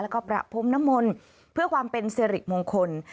แล้วก็ประพรมนมลเพื่อความเป็นสิริมงคล